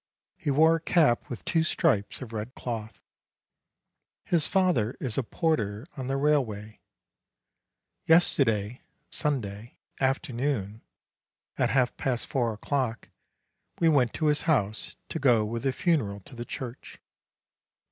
He wore a cap with two stripes of red cloth. His father is a porter on the rail way. Yesterday (Sunday) afternoon, at half past four A LITTLE DEAD BOY 175 o'clock, we went to his house, to go with the funeral to the church.